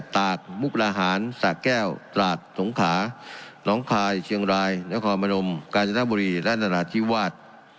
ตากมุกราหารสะแก้วตราดสงขาน้องคายเชียงรายนครพนมกาญจนบุรีและนราธิวาส